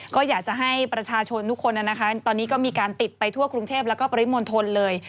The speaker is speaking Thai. ก็อยากจะให้ประชาชนทุกคนตอนนี้ก็มีการติดไปทั่วกรุงเทพแล้วก็ปริมณฑลเลย